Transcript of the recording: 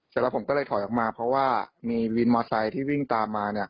เสร็จแล้วผมก็เลยถอยออกมาเพราะว่ามีวินมอไซค์ที่วิ่งตามมา